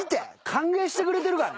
歓迎してくれてるから。